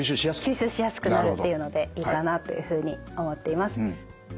吸収しやすくなるっていうのでいいかなというふうに思っています。